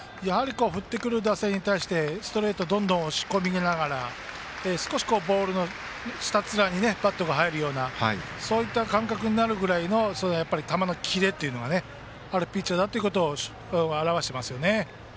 振ってくる打線に対してストレートでどんどん押し込みながら少しボールの下っつらにバットが入るようなそういった感覚になるぐらいの球のキレがあるピッチャーだと表していますね。